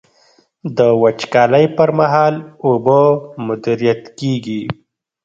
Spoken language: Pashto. د وچکالۍ پر مهال اوبه مدیریت کیږي.